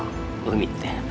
海って。